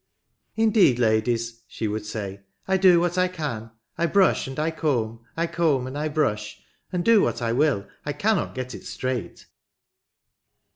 " Indeed, ladies," she would say, " I do what I can ; I brush and I comb, I comb and I brush, and do what I will I cannot get it straight."